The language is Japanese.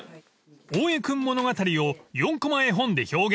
［『大江君物語』を４コマ絵本で表現］